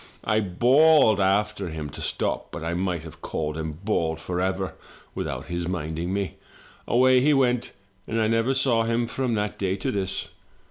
I bawled after him to stop; but I might have called and bawled forever, without his minding me. Away he went and I never saw him from that day to this.